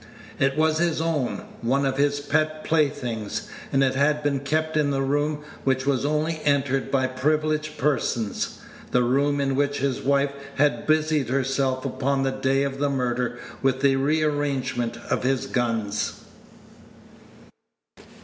It was his own; one of his pet playthings; and it had been kept in the room which was only entered by privileged persons the room in which his wife had busied herself upon the day of the murder with the rearrangement of his guns.